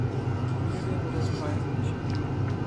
Mir wäre das peinlich.